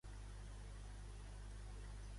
Quina és la professió de Santiago?